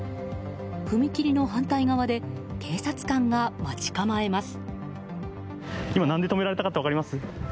踏切の反対側で警察官が待ち構えます。